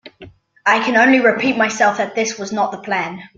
I can only repeat myself that this was not the plan.